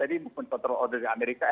jadi bukan total order di amerika